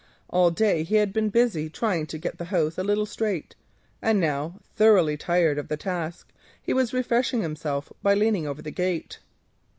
All day he had been busy trying to get the house a little straight, and now, thoroughly tired, he was refreshing himself by leaning over a gate.